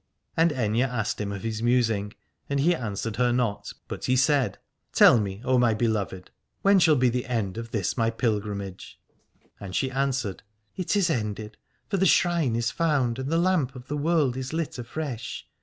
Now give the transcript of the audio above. And Aithne asked him of his musing, and he answered her not, but he said : Tell me, O my beloved, when shall be the end of this my pilgrimage? And she answered : It is ended, for the shrine is found, and the lamp of the world is lit afresh.